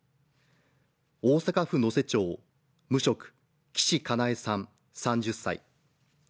大阪府能勢町、無職・岸加奈恵さん３０歳。